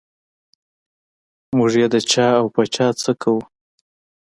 موږ یې د چا او په چا څه کوو.